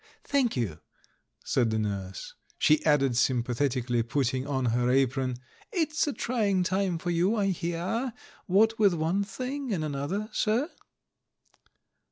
"Thank you," said the nurse. She added sym pathetically, putting on her apron. "It's a try ing time for you, I hear, what with one thing and another, sir?"